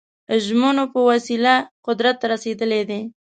ژمنو په وسیله قدرت ته رسېدلي دي.